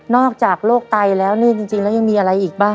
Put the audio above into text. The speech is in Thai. นอกจากโรคไตแล้วมียังมีอะไรอีกบ้าง